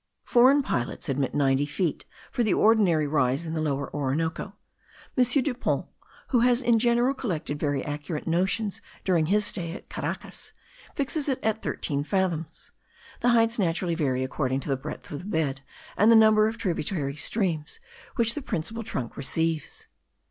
Foreign pilots admit ninety feet for the ordinary rise in the Lower Orinoco. M. Depons, who has in general collected very accurate notions during his stay at Caracas, fixes it at thirteen fathoms. The heights naturally vary according to the breadth of the bed and the number of tributary streams which the principal trunk receives.